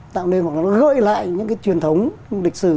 tạo nên hoặc là nó gợi lại những cái truyền thống lịch sử